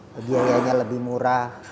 bebiaya nya lebih murah